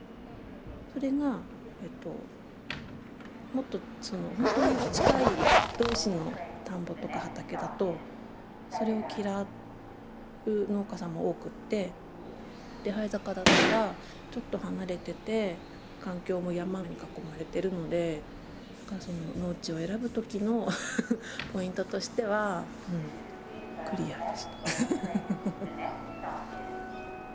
それがもっとほんとに近い同士の田んぼとか畑だとそれを嫌う農家さんも多くって手這坂だったらちょっと離れてて環境も山に囲まれてるので農地を選ぶときのポイントとしてはクリアでした。